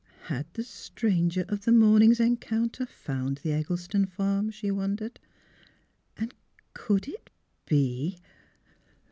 Had the stranger of the morn ing's encounter found the Eggleston farm? she wondered; and could it be